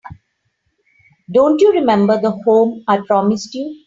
Don't you remember the home I promised you?